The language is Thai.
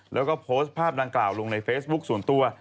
แล้วก็โพสต์ภาพดังกล่าวลงในเฟซบุ๊คส่วนตัว